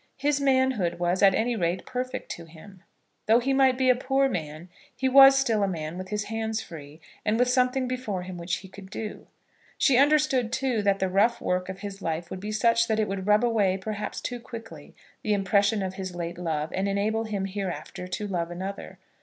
His manhood was, at any rate, perfect to him. Though he might be a poor man, he was still a man with his hands free, and with something before him which he could do. She understood, too, that the rough work of his life would be such that it would rub away, perhaps too quickly, the impression of his late love, and enable him hereafter to love another.